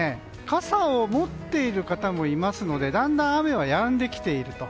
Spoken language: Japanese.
傘を持っている方もいますのでだんだん雨はやんできていると。